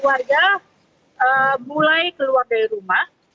warga mulai keluar dari rumah